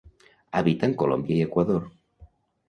Habita en Colòmbia i Equador.